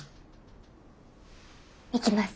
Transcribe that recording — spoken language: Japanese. いきます。